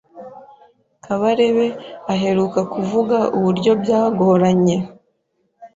Kabarebe aheruka kuvuga uburyo byagoranye